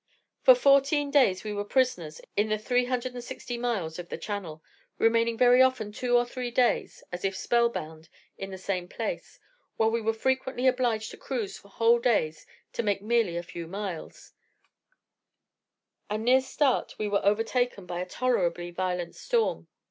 For fourteen days were we prisoners in the 360 miles of the Channel, remaining very often two or three days, as if spell bound, in the same place, while we were frequently obliged to cruise for whole days to make merely a few miles; and near Start we were overtaken by a tolerably violent storm.